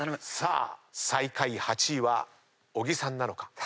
さあ最下位８位は小木さんなのか。